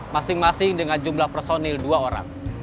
masing masing dengan jumlah personil dua orang